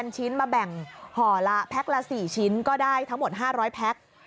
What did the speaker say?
ชิ้นมาแบ่งห่อละแพ็คละ๔ชิ้นก็ได้ทั้งหมด๕๐๐แพ็ค